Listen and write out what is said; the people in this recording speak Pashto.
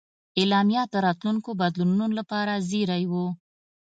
اعلامیه د راتلونکو بدلونونو لپاره زېری و.